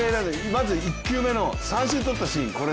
まず１球目の三振取ったシーン